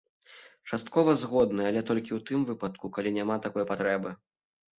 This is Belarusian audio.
Часткова згодны, але толькі ў тым выпадку, калі няма такой патрэбы.